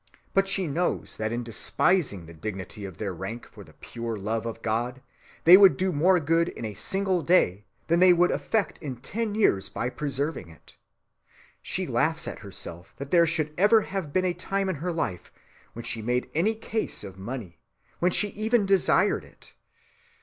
But she knows that in despising the dignity of their rank for the pure love of God they would do more good in a single day than they would effect in ten years by preserving it.... She laughs at herself that there should ever have been a time in her life when she made any case of money, when she ever desired it....